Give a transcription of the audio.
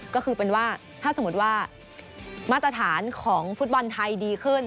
ก็คือเป็นว่าถ้าสมมติว่ามาตรฐานของฟุตบอลไทยดีขึ้น